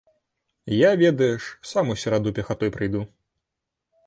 Я, ведаеш, сам у сераду пехатой прыйду.